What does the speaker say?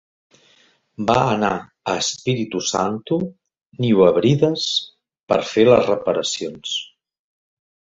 Va anar a Espíritu Santo, New Hebrides, per fer les reparacions.